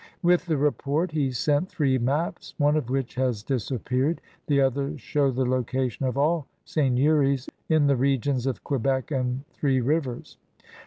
' With the rq>ort he sent three maps, one of which has disappeared. The others show the location of all seigneuries in the r^ons of Quebec and Three Rivers.